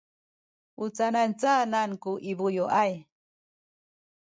u canacanan ku i bayuay?